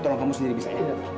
tolong kamu sendiri bisa